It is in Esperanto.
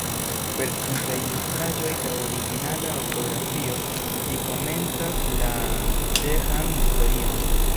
Per simplaj ilustraĵoj kaj originala ortografio ĝi komentas la ĉeĥan historion.